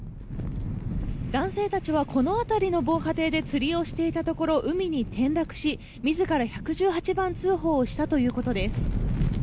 男性たちはこの辺りの防波堤で釣りをしていたところ海に転落し自ら１１８番通報をしたということです。